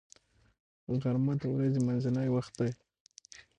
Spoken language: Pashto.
غرمه د ورځې منځنی وخت دی